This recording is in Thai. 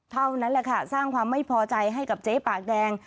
เท่านั้นแหละค่ะสร้างความไม่พอใจให้กับเจ๊ปากแดง